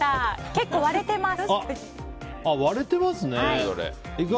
結構割れてます。